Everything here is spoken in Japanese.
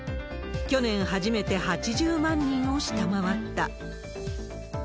去年初めて８０万人を下回った。